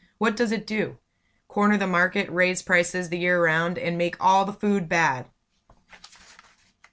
What does it do? Corner the market, raise prices the year round, and make all the food bad!"